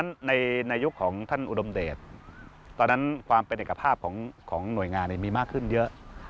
ฉะในยุคของท่านอุดมเดชตอนนั้นความเป็นเอกภาพของหน่วยงานมีมากขึ้นเยอะ